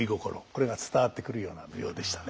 これが伝わってくるような舞踊でしたね。